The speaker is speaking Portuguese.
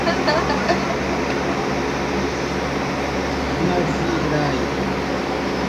Naviraí